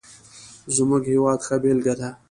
زموږ هېواد ښه بېلګه ده.